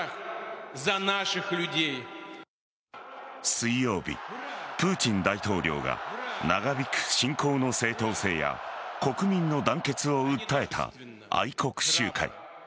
水曜日、プーチン大統領が長引く侵攻の正当性や国民の団結を訴えた愛国集会。